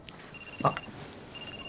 あっ。